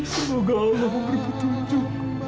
semoga allah memberi petunjuk